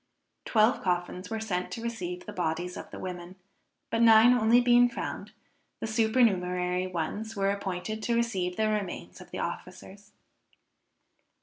Twelve coffins were sent to receive the bodies of the women, but nine only being found, the supernumerary ones were appointed to receive the remains of the officers.